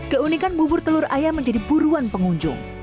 keunikan bubur telur ayam menjadi buruan pengunjung